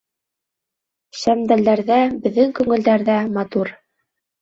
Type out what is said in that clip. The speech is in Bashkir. Шәмдәлдәрҙә, беҙҙең күңелдәрҙә Матур